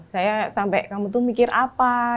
saya sampai kamu tuh mikir apa